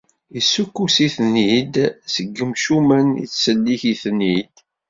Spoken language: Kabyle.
Issukkus-iten-id seg yimcumen, ittsellik-iten-id.